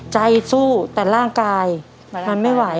ใจสู้แต่ร่างกายมันไม่ไหว